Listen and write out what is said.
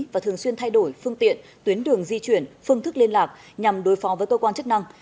và thường xuyên thay đổi phương tiện tuyến đường di chuyển phương thức liên lạc nhằm đối phó với cơ quan chức năng